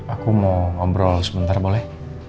aku mau ngobrol sebentar boleh